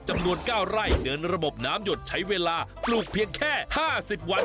จำนวน๙ไร่เดินระบบน้ำหยดใช้เวลาปลูกเพียงแค่๕๐วัน